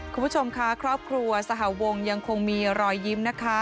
คุณผู้ชมค่ะครอบครัวสหวงยังคงมีรอยยิ้มนะคะ